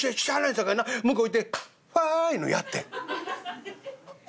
さかいな向こう行って『ほい』いうのやってん」。